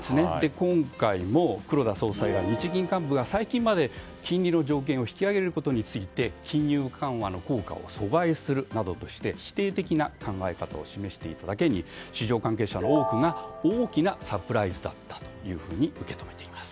今回も黒田総裁が日銀幹部が最近まで金利の上限を引き上げることについて金融緩和の効果を阻害するとして否定的な考え方を示していただけに市場関係者の多くが大きなサプライズだったと受け止めています。